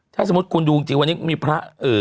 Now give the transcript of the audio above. ถ้าสมมุติคุณดูจริงวันนี้มีพระ